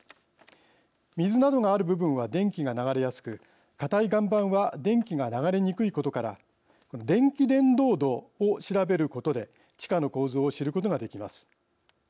水などがある部分は電気が流れやすく、かたい岩盤は電気が流れにくいことから電気伝導度を調べることで地下の構造を知ることができます。